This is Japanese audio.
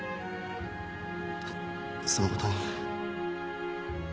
そのことに。